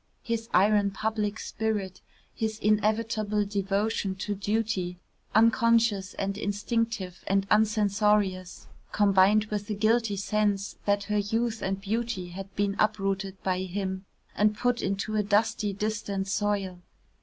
His iron public spirit, his inevitable devotion to duty, unconscious and instinctive and uncensorious, combined with a guilty sense that her youth and beauty had been uprooted by him, and put into a dusty distant soil.